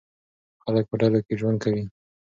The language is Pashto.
خلک په ډلو کې ژوند کوي.